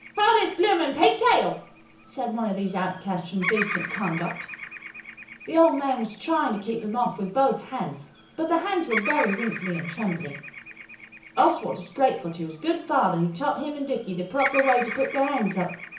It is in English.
"Pull his bloomin' pigtail," said one of these outcasts from decent conduct. The old man was trying to keep them off with both hands, but the hands were very wrinkled and trembly. Oswald is grateful to his good Father who taught him and Dicky the proper way to put their hands up.